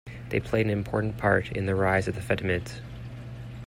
They played an important part in the rise of the Fatimids.